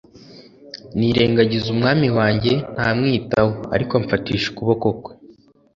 Nirengagiza umwami wanjye ntamwitaho ariko amfatisha ukuboko kwe